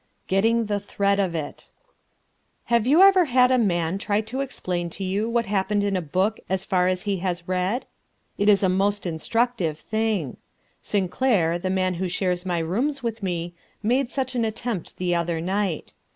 Getting the Thread of It Have you ever had a man try to explain to you what happened in a book as far as he has read? It is a most instructive thing. Sinclair, the man who shares my rooms with me, made such an attempt the other night.